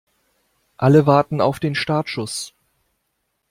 Alle warten auf den Startschuss.